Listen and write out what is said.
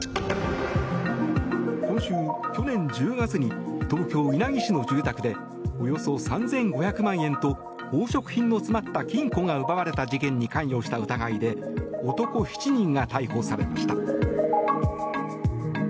今週、去年１０月に東京・稲城市の住宅でおよそ３５００万円と宝飾品の詰まった金庫が奪われた事件に関与した疑いで男７人が逮捕されました。